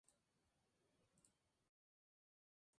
La pelvis de las mujeres es más ancha y profunda que en los varones.